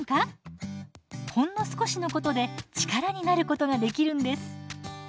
ほんの少しのことで力になることができるんです。